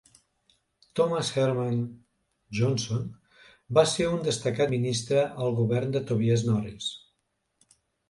Thomas Herman Johnson va ser un destacat ministre al govern de Tobias Norris.